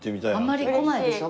あんまり来ないでしょ？